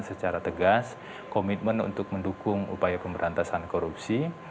secara tegas komitmen untuk mendukung upaya pemberantasan korupsi